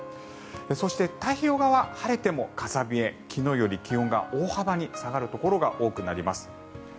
そして太平洋側晴れでも風冷え、昨日よりも気温が大幅に下がるところが多くなります。